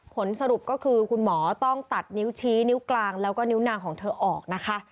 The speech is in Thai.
ผลสรุปก็คือคุณหมอต้องตัดนิ้วชี้นิ้วกลางแล้วก็นิ้วนางของเธอออกนะคะ